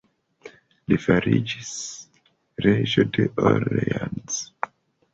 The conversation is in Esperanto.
Li fariĝis reĝo de Orleans.